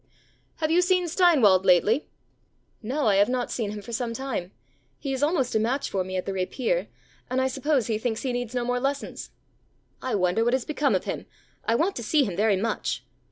ãHave you seen Steinwald lately?ã ãNo, I have not seen him for some time. He is almost a match for me at the rapier, and I suppose he thinks he needs no more lessons.ã ãI wonder what has become of him. I want to see him very much.